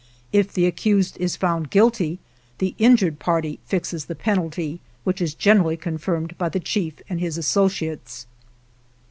If the accused is found guilty the injured party fixes the penalty, which is generally confirmed by the chief and his associates.